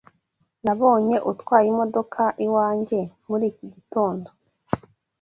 Nabonye utwaye imodoka iwanjye muri iki gitondo.